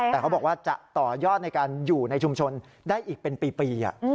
แต่เขาบอกว่าจะต่อยอดในการอยู่ในชุมชนได้อีกเป็นปี